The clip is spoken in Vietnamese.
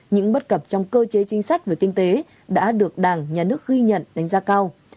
những bất cập trong cơ chế chính sách về kinh tế đã được đảng nhà nước ghi nhận đánh giá cao